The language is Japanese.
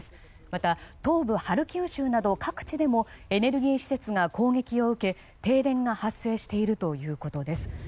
また東部ハルキウ州など各地でもエネルギー施設が攻撃を受け停電が発生しているということです。